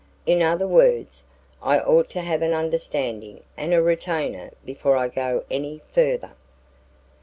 In other words, I ought to have an understanding and a retainer before I go any farther."